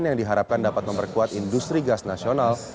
yang diharapkan dapat memperkuat industri gas nasional